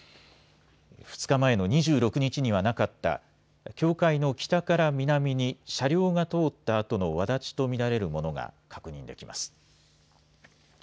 ２日前の２６日にはなかった境界の北から南に車両が通ったあとのわだちと見られるものが確認できます。